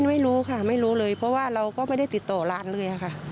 ไม่รู้ค่ะไม่รู้เลยเพราะว่าเราก็ไม่ได้ติดต่อร้านเลยค่ะ